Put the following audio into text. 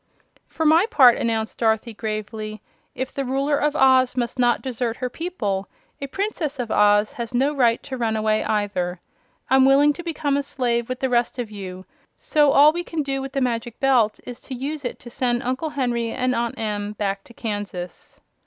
"For my part," announced Dorothy, gravely, "if the Ruler of Oz must not desert her people, a Princess of Oz has no right to run away, either. I'm willing to become a slave with the rest of you; so all we can do with the Magic Belt is to use it to send Uncle Henry and Aunt Em back to Kansas."